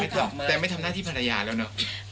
แต่ไม่ทำหน้าที่ภรรยาแล้วเนอะ